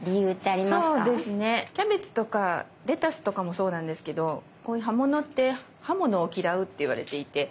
キャベツとかレタスとかもそうなんですけどこういう葉物って刃物を嫌うっていわれていて。